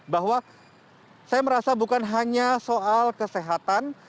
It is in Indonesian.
bahwa saya merasa bukan hanya soal kesehatan